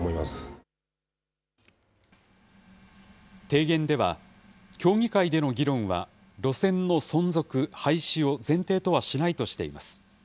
提言では、協議会での議論は路線の存続、廃止を前提とはしないとしています。